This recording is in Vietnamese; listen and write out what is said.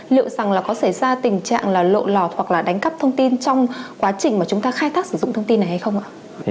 liệu rằng là có xảy ra tình trạng là lộ lọt hoặc là đánh cắp thông tin trong quá trình mà chúng ta khai thác sử dụng thông tin này hay không ạ